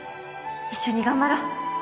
一緒に頑張ろう